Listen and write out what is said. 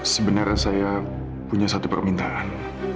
sebenarnya saya punya satu permintaan